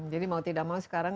jadi mau tidak mau sekarang